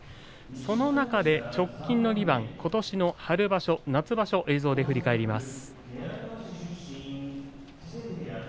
その中で、直近の２番ことしの春場所、夏場所を映像で振り返ります。